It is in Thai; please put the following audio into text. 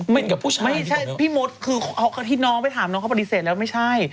ไม่ใช่พี่มดคือที่น้องไปถามน้องเขาปฏิเสธแล้วไม่ใช่